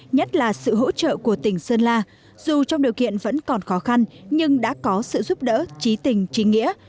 nhất là sự hỗ trợ của tỉnh sơn la dù trong điều kiện vẫn còn khó khăn nhưng đã có sự giúp đỡ trí tình trí nghĩa